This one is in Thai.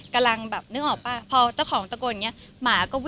กำลังแบบนึกออกป่าว